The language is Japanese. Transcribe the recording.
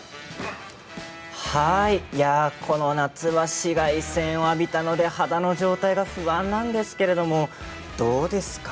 この夏は紫外線を浴びたので肌の状態が不安なんですけれどもどうですか。